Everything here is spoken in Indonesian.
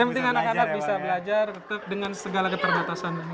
yang penting anak anak bisa belajar dengan segala keterbatasan